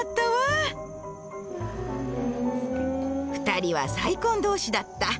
２人は再婚同士だった。